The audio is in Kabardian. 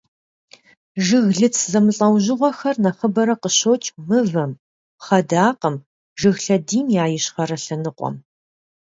Жыглыц зэмылӀэужьыгъуэхэр нэхъыбэрэ къыщокӀ мывэм, пхъэдакъэм, жыг лъэдийм я ищхъэрэ лъэныкъуэм.